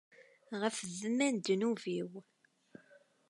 Ɣef ddemma n ddnub-iw.